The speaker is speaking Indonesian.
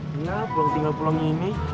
kenapa lu tinggal pulang ini